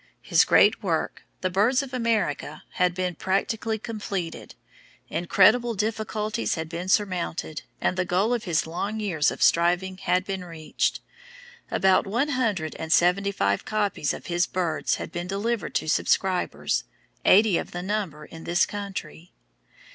His great work, the "Birds of America," had been practically completed, incredible difficulties had been surmounted, and the goal of his long years of striving had been reached. About one hundred and seventy five copies of his "Birds" had been delivered to subscribers, eighty of the number in this country.